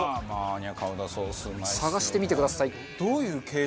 探してみてください。